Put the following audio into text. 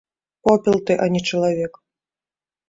Попел ты, а не чалавек.